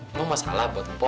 emang masalah buat mpo